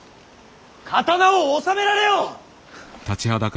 刀を収められよ！